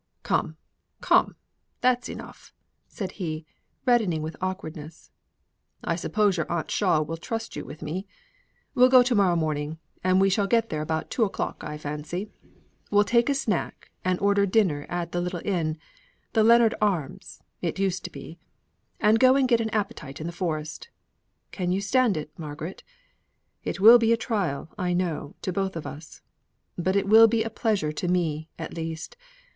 "Come, come; that's enough," said he, reddening with awkwardness. "I suppose your aunt Shaw will trust you with me. We'll go to morrow morning, and we shall get there about two o'clock, I fancy. We'll take a snack, and order dinner at the little inn the Lennard Arms, it used to be and go and get an appetite in the forest. Can you stand it, Margaret? It will be a trial, I know, to both of us, but it will be a pleasure to me, at least.